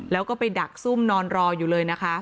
แล้วก็ไปดักซุ่มนอนรออยู่เลยนะคะ